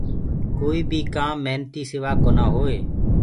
ڪوئي بي ڪآم محنتي سوآ ڪونآ هوئي۔